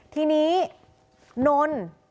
ทีนี้นนท์